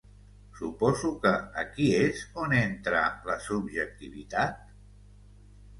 Suposo que aquí és on entra la subjectivitat?